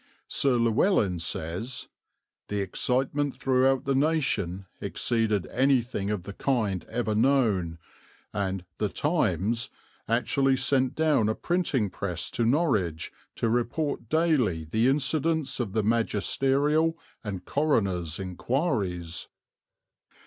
Sir Llewelyn says: "The excitement throughout the nation exceeded anything of the kind ever known, and The Times actually sent down a printing press to Norwich to report daily the incidents of the magisterial and coroner's inquiries."